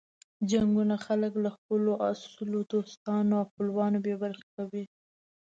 جنګونه خلک له خپلو اصلو دوستانو او خپلوانو بې برخې کوي.